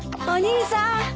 お兄さん。